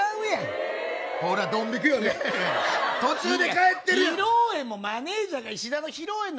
途中で帰ってるやん。